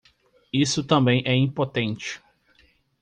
Isso também é impotente